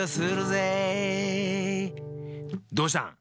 どうしたん？